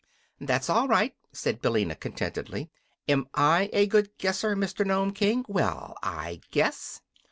"That's all right," said Billina, contentedly. "Am I a good guesser, Mr. Nome King? Well, I guess!"